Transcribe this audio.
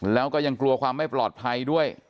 แล้วก็ยังกลัวความไม่ปลอดภัยด้วย